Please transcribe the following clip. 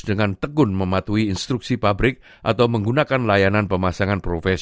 dan kita juga memiliki banyak program yang dilakukan di pemerintah lokal